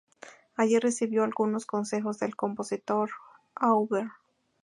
Allí recibió algunos consejos del compositor Auber.